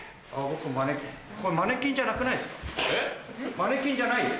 マネキンじゃないよ。